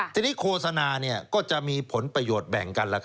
ทีนี้โฆษณาก็จะมีผลประโยชน์แบ่งกัน